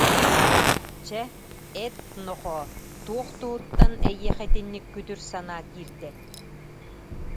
Чэ, эт, нохоо, туох туһуттан эйиэхэ итинник күтүр санаа киирдэ?